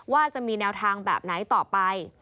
ว่าจะมีแนวทางแบบไหนต่อไป